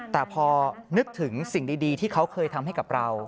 แต่พอนึกถึงสิ่งดีที่เขาเคยทำให้กับเรา